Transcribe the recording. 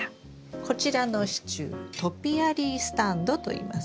こちらの支柱トピアリースタンドと言います。